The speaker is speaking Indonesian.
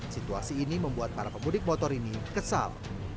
situasi ini membuat para pemudik motor ini kesal